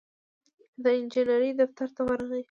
د انجينر دفتر ته ورغی.